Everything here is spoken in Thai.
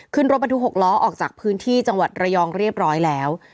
ขึ้นรถบรรทุก๖ล้อออกจากพื้นที่จังหวัดระยองเรียบร้อยแล้ว